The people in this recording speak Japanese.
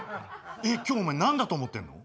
えっ今日お前何だと思ってんの？